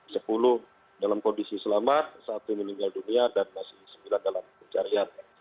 sepuluh dalam kondisi selamat satu meninggal dunia dan masih sembilan dalam pencarian